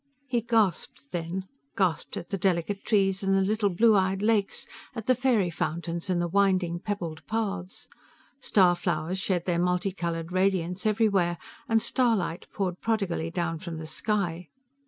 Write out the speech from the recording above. He gasped then. Gasped at the delicate trees and the little blue eyed lakes; at the fairy fountains and the winding, pebbled paths. Star flowers shed their multicolored radiance everywhere, and starlight poured prodigally down from the sky.